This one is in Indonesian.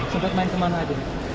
sampai kemana aja